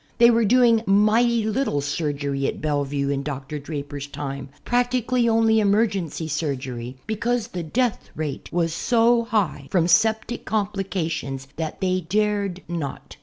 They were doing mighty little surgery at Bellevue in Dr. Draper's time, practically only emergency surgery, because the death rate was so high from septic complications that they dared not.